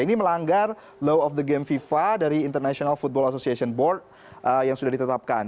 ini melanggar law of the game fifa dari international football association board yang sudah ditetapkan